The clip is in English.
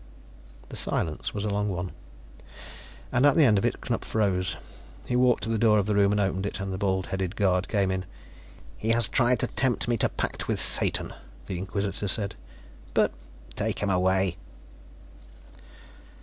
The silence was a long one, and at the end of it Knupf rose. He walked to the door of the room and opened it, and the bald headed guard came in. "He has tried to tempt me to pact with Satan," the Inquisitor said. "But " "Take him away."